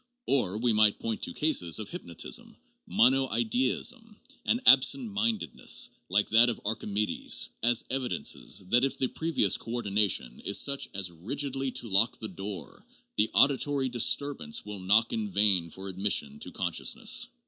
Or, we might point to cases of hypnotism, mono ideaism and ab sent mindedness, like that of Archimedes, as evidences that if the previous coordination is such as rigidly to lock the door, the auditory disturbance will knock in vain for admission to con sciousness.